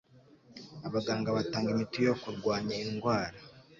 Abaganga batanga imiti yo kurwanya indwara